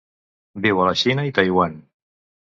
Viu a la Xina i Taiwan.